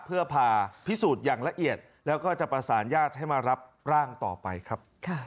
เพื่อผ่าพิสูจน์อย่างละเอียดแล้วก็จะประสานญาติให้มารับร่างต่อไปครับ